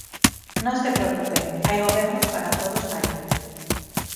Non se preocupen, hai gobernos para todos aí.